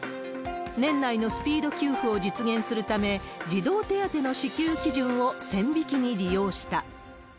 年内のスピード給付を実現するため、児童手当の支給基準を線引きに利用した。